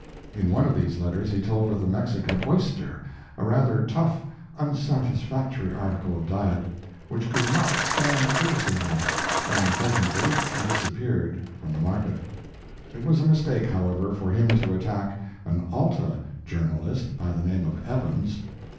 In one of these letters he told of the Mexican oyster, a rather tough, unsatisfactory article of diet, which could not stand criticism, and presently disappeared from the market. It was a mistake, however, for him to attack an Alta journalist by the name of Evans.